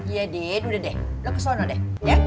iya din udah deh lo kesana deh